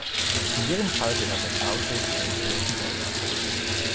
In jedem Fall gehört der Stausee zu den größten der Erde.